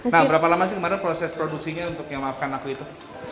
nah berapa lama sih kemarin proses produksinya untuk yang maafkan aku itu